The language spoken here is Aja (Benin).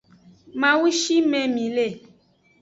Mawu shime mi le.